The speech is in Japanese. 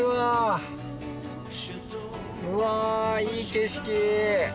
うわいい景色！